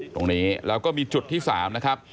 ตรงนี้แล้วก็มีจุดที่๓นะครับ